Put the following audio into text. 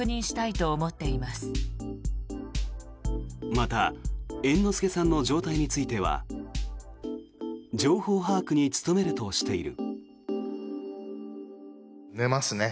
また猿之助さんの状態については情報把握に努めるとしている。